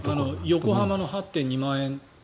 横浜の８．２万円。